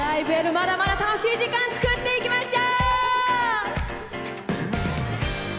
まだまだ楽しい時間作っていきましょう！